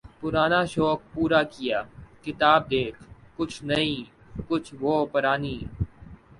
پرانا شوق پورا کیا ، کتاب دیکھ ، کچھ نئی ، کچھ و پرانی